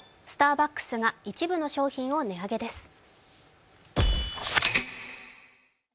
スターバックスが一部の商品を値上げです。